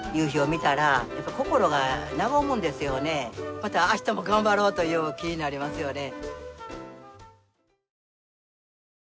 また明日も頑張ろうという気になりますよね。